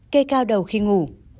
kê cao đầu khi ngủ